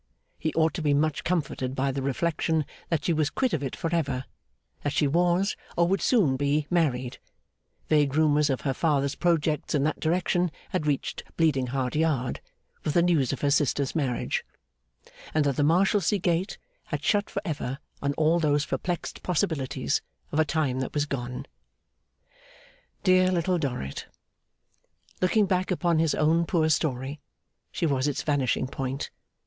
He ought to be much comforted by the reflection that she was quit of it forever; that she was, or would soon be, married (vague rumours of her father's projects in that direction had reached Bleeding Heart Yard, with the news of her sister's marriage); and that the Marshalsea gate had shut for ever on all those perplexed possibilities of a time that was gone. Dear Little Dorrit. Looking back upon his own poor story, she was its vanishing point.